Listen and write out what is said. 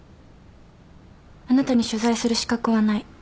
あなたに取材する資格はない。